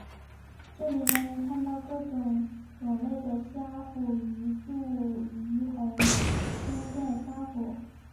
这里还能看到各种种类的虾虎鱼诸如红天线虾虎。